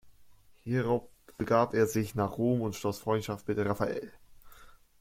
Hierauf begab er sich nach Rom und schloss Freundschaft mit Raffael.